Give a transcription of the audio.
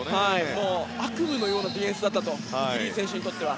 悪夢のようなディフェンスだったとギディー選手にとっては。